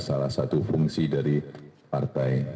salah satu fungsi dari partai